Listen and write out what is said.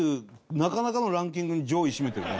なかなかのランキングの上位占めてるね。